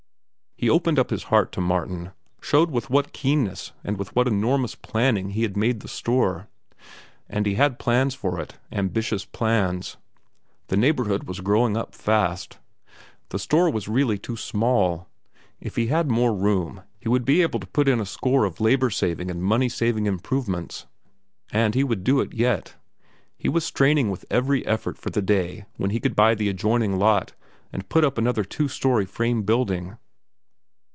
He opened up his heart to Martin, showed with what keenness and with what enormous planning he had made the store. And he had plans for it, ambitious plans. The neighborhood was growing up fast. The store was really too small. If he had more room, he would be able to put in a score of labor saving and money saving improvements. And he would do it yet. He was straining every effort for the day when he could buy the adjoining lot and put up another two story frame building.